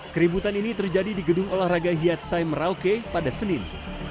keributan ini terjadi di gedung olahraga hiatsai merauke pada senin